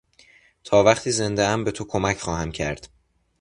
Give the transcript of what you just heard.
تا وقتی زندهام بهتو کمک خواهم کرد.